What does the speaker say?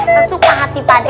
sesuka hati pade